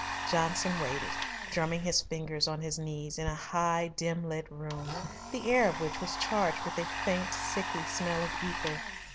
Johnson waited, drumming his fingers on his knees, in a high, dim lit room, the air of which was charged with a faint, sickly smell of ether.